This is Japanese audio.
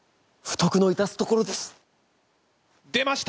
「不徳の致すところです」。